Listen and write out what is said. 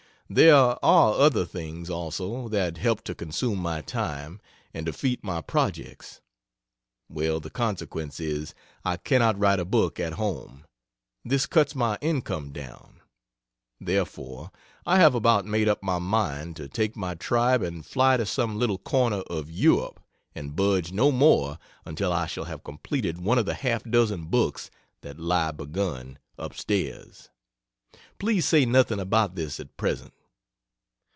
There are other things also that help to consume my time and defeat my projects. Well, the consequence is, I cannot write a book at home. This cuts my income down. Therefore, I have about made up my mind to take my tribe and fly to some little corner of Europe and budge no more until I shall have completed one of the half dozen books that lie begun, up stairs. Please say nothing about this at present.